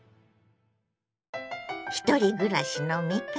ひとり暮らしの味方